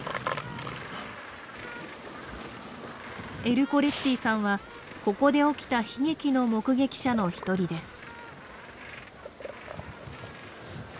エルコレッティさんはここで起きた悲劇の目撃者の一人です。